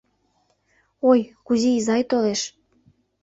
Ой, Кузи изай толеш.